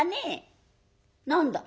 「何だ？」。